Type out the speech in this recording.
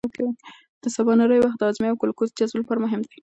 د سباناري وخت د هاضمې او ګلوکوز جذب لپاره مهم دی.